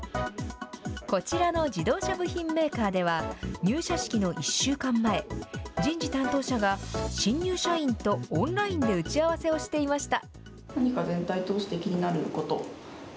こちらの自動車部品メーカーでは、入社式の１週間前、人事担当者が、新入社員とオンラインで打ち合わせをしていました。